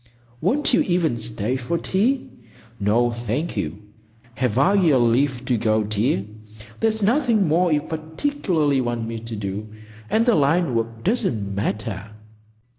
"Won't you even stay for tea? "No, thank you. Have I your leave to go, dear? There's nothing more you particularly want me to do, and the line work doesn't matter."